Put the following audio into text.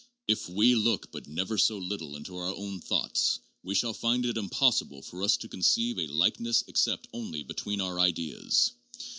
If we look but never so little into our own thoughts, we shall find it impossible for us to conceive a like ness except only between our ideas.